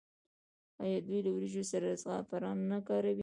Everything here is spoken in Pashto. آیا دوی له وریجو سره زعفران نه کاروي؟